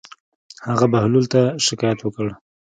هغه بهلول ته شکايت وکړ.